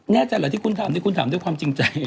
ใจเหรอที่คุณถามนี่คุณถามด้วยความจริงใจ